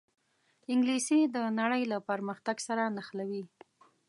انګلیسي د نړۍ له پرمختګ سره نښلوي